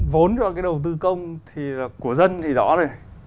vốn cho cái đầu tư công thì là của dân thì rõ rồi